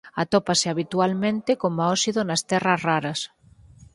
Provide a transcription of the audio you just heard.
Atópase habitualmente coma óxido nas terras raras.